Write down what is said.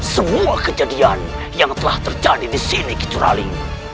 semua kejadian yang telah terjadi disini curali